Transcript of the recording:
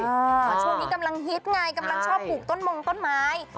ช่วงนี้กำลังฮิตไงกำลังชอบปลูกต้นมงต้นไม้